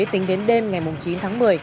tính đến đêm ngày chín tháng một mươi